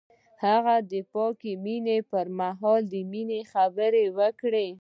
هغه د پاک مینه پر مهال د مینې خبرې وکړې.